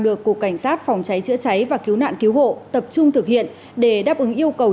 được cục cảnh sát phòng cháy chữa cháy và cứu nạn cứu hộ tập trung thực hiện để đáp ứng yêu cầu